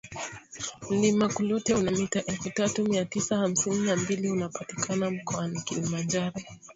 Mlima Klute una mita elfu tatu mia tisa hamsini na mbili unapatikana mkoani Kilimanjaro